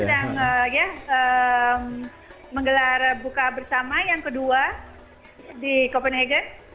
sedang menggelar buka bersama yang kedua di copenhagen